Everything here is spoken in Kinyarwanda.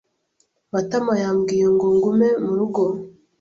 Matama yambwiye ngo ngume mu rugo.